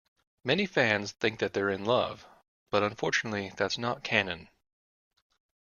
Many fans think they're in love, but unfortunately that's not canon.